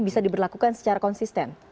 bisa diberlakukan secara konsisten